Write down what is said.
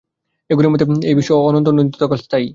এগুলির মতে এই বিশ্ব অনন্ত ও নিত্যকাল স্থায়ী।